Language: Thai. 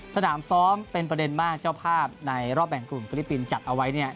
สนามซ้อมเป็นประเด็นมากเจ้าภาพในรอบแบ่งกลุ่มฟิลิปปินส์จัดเอาไว้เนี่ย